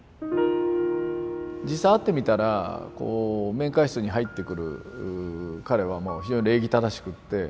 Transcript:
実際会ってみたらこう面会室に入ってくる彼はもう非常に礼儀正しくって。